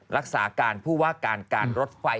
รักษาการผู้ว่าการการรถไฟ